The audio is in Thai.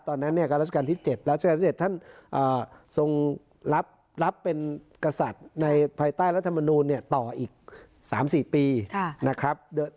ตอนนั้นเนี่ยก็ราชการที่๗รัชกาลที่๗ท่านทรงรับเป็นกษัตริย์ในภายใต้รัฐมนูลต่ออีก๓๔ปีนะครับ